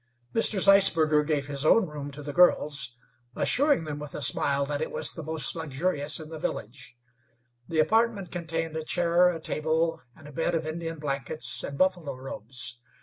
Mr. Zeisberger gave his own room to the girls, assuring them with a smile that it was the most luxurious in the village. The apartment contained a chair, a table, and a bed of Indian blankets and buffalo robes.